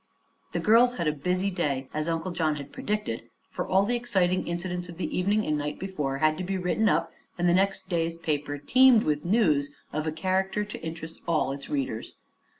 The girls had a busy day, as Uncle John had predicted, for all the exciting incidents of the evening and night before had to be written up and the next day's paper teemed with "news" of a character to interest all its readers.